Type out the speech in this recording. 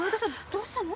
どうしたの？